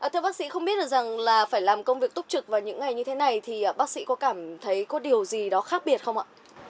thưa bác sĩ không biết được rằng là phải làm công việc túc trực vào những ngày như thế này thì bác sĩ có cảm thấy có điều gì đó khác biệt không ạ